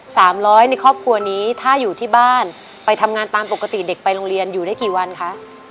สามร้อยในครอบครัวนี้ถ้าอยู่ที่บ้านไปทำงานตามปกติเด็กไปโรงเรียนอยู่ได้กี่วันคะ